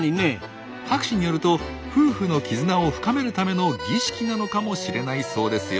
博士によると夫婦の絆を深めるための儀式なのかもしれないそうですよ。